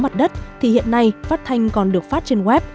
phát sóng số mặt đất thì hiện nay phát thanh còn được phát trên web